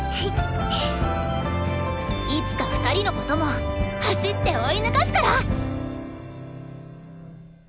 いつか２人のことも走って追い抜かすから！